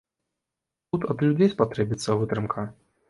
Тут ад людзей спатрэбіцца вытрымка.